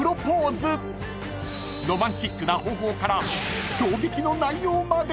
［ロマンチックな方法から衝撃の内容まで］